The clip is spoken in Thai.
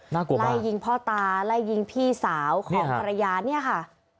กลัวไล่ยิงพ่อตาไล่ยิงพี่สาวของภรรยาเนี่ยค่ะ